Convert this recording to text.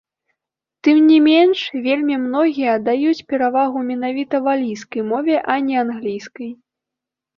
Тым не менш, вельмі многія аддаюць перавагу менавіта валійскай мове, а не англійскай.